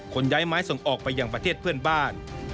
คนย้ายไม้ส่งออกไปยังประเทศเพื่อนบ้าน